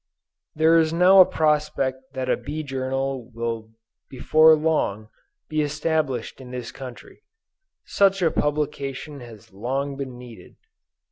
There is now a prospect that a Bee Journal will before long, be established in this country. Such a publication has long been needed.